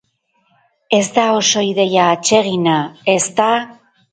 Ez da oso ideia atsegina, ezta?